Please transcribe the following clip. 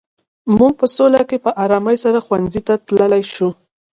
موږ په سوله کې په ارامۍ سره ښوونځي ته تلای شو.